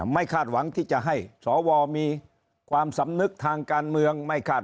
คาดหวังที่จะให้สวมีความสำนึกทางการเมืองไม่คาด